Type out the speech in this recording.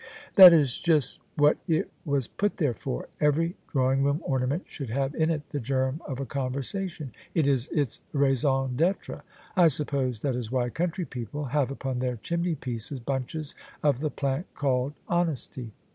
" That is just what it was put there for! Every drawing room ornament should have in it the germ of a conversation : it is its raison d'etre. I suppose that is why country people have upon their chimney pieces bunches of the plant called honesty.